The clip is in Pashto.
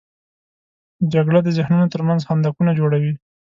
جګړه د ذهنونو تر منځ خندقونه جوړوي